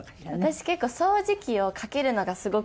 私結構掃除機をかけるのがすごく好きなので。